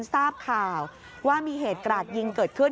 ทราบข่าวว่ามีเหตุกราดยิงเกิดขึ้น